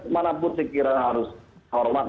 mana pun sekiranya harus hormat